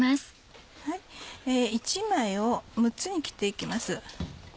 １枚を６つに切って行きます。